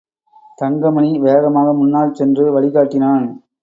தங்கமணி வேகமாக முன்னால் சென்று வழிகாட்டினான்.